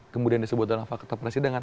kemudian disebut dalam fakta persidangan